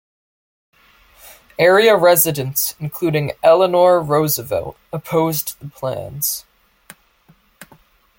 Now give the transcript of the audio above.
Area residents, including Eleanor Roosevelt, opposed the plans.